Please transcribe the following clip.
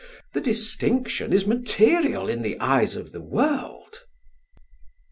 The distinction is material in the eyes of the world."